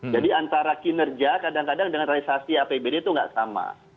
jadi antara kinerja kadang kadang dengan realisasi apbd itu nggak sama